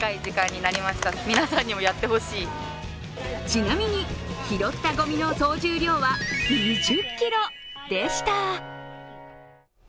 ちなみに拾ったごみの総重量は２０ｋｇでした！